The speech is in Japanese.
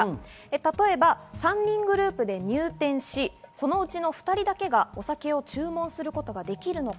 例えば３人グループで入店し、そのうちの２人だけがお酒を注文することができるのか。